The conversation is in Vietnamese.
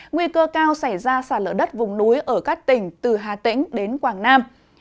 nguy cơ cao xảy ra xả lỡ đất vùng núi ở các tỉnh từ hà tĩnh đến quảng nam